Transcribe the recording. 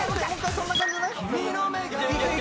・そんな感じじゃない？